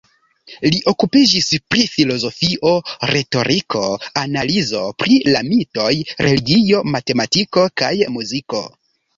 Li okupiĝis pri filozofio, retoriko, analizo pri la mitoj, religio, matematiko kaj muziko.